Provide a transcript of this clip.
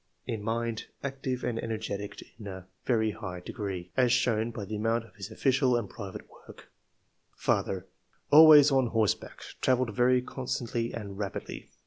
In mind — Active and ener getic in a very high degree, as shown by the amount of his official and private work]. " Father — ^Always on horseback ; travelled very constantly and rapidly.